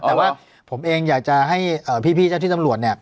แต่ว่าผมเองอยากจะให้พี่เจ้าที่ตำรวจเนี่ย